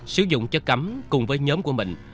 sử dụng chất cấm cùng với nhóm của mình